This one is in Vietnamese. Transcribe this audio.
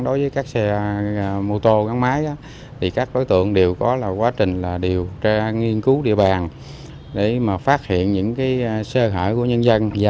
đối với các xe mô tô gắn máy thì các đối tượng đều có quá trình điều tra nghiên cứu địa bàn để phát hiện những sơ hở của nhân dân